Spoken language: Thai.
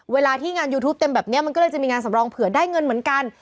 เวลาที่งานยูทูปเต็มแบบนี้มันก็เลยจะมีงานสำรองเผื่อได้เงินเหมือนกัน